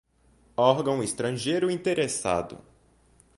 órgão estrangeiro interessado